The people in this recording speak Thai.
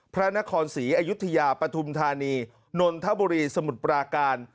พระนครศรีอยุธยาปฐุมธานีนนทบุรีสมุทรปราการ